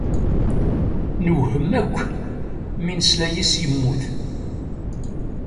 Newhem akk mi nesla yes-s yemmut.